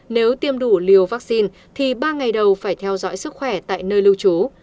nếu tiêm đủ liều vaccine thì ba ngày đầu phải theo dõi sức khỏe tại nơi lưu trú